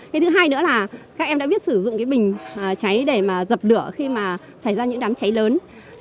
cái thứ hai nữa là các em đã biết sử dụng cái bình cháy để mà dập lửa khi mà xảy ra những đám cháy lớn